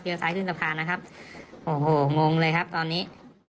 ซ้ายขึ้นสะพานนะครับโอ้โหงงเลยครับตอนนี้